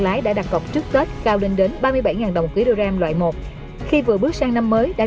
lái đặt cọp trước tết cao lên đến ba mươi bảy đồng quý đô ram loại một khi vừa bước sang năm mới đã